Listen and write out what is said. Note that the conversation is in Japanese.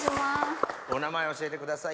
お名前教えてください。